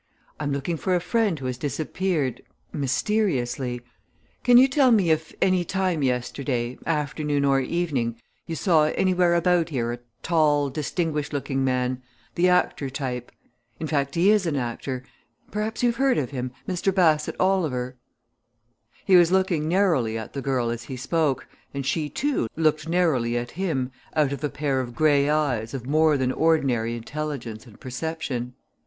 "I'm looking for a friend who has disappeared mysteriously. Can you tell me if, any time yesterday, afternoon or evening, you saw anywhere about here a tall, distinguished looking man the actor type. In fact, he is an actor perhaps you've heard of him? Mr. Bassett Oliver." He was looking narrowly at the girl as he spoke, and she, too, looked narrowly at him out of a pair of grey eyes of more than ordinary intelligence and perception.